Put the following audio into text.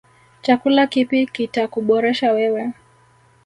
Chakula kipi kita kuboresha wewe.